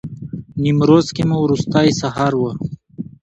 نیمروز کې مو وروستی سهار و.